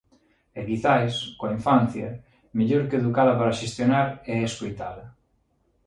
E quizais, coa infancia, mellor que educala para xestionar é escoitala.